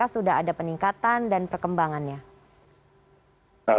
sudah ada peningkatan dan perkembangannya